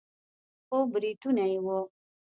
خو برېتونه يې وو.